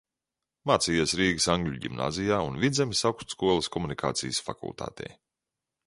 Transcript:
Mācījies Rīgas Angļu ģimnāzijā un Vidzemes Augstskolas komunikācijas fakultātē.